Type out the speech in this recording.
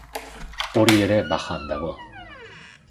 Hori ere bajan dago.